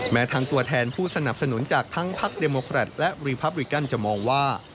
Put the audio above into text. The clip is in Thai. แม้ทั้งตัวแทนผู้สนับสนุนจากทั้งพักเดโมแครตและรีพับริกันจะมองว่า